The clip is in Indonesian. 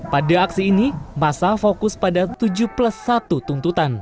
pada aksi ini masa fokus pada tujuh plus satu tuntutan